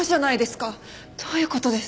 どういう事ですか？